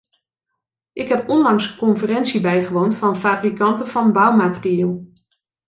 Ik heb onlangs een conferentie bijgewoond van fabrikanten van bouwmaterieel.